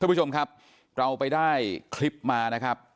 คุณผู้ชมครับเราไปได้คลิปมานะครับ